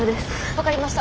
分かりました。